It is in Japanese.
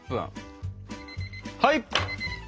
はい！